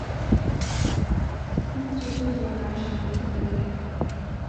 তিনি চোখের জল আর সমালাইতে পারিলেন না।